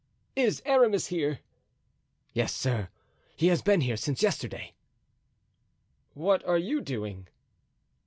"Is Aramis here?" "Yes, sir; he has been here since yesterday." "What are you doing?"